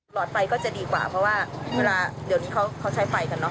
หอดไฟก็จะดีกว่าเพราะว่าเวลาเดี๋ยวนี้เขาใช้ไฟกันเนอ